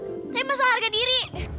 tapi masalah harga diri